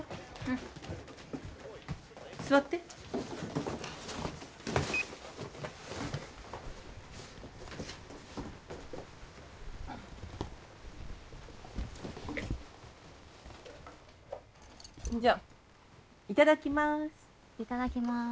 いっいただきます。